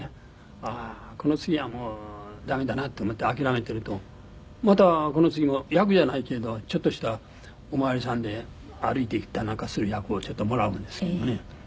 ああーこの次はもう駄目だなと思って諦めているとまたこの次も役じゃないけれどちょっとしたお巡りさんで歩いていったりなんかする役をちょっともらうんですけれどね。